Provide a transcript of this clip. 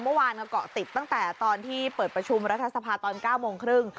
เมื่อวานก็เกาะติดตั้งแต่ตอนที่เปิดประชุมรัฐสภาตอน๙โมงครึ่ง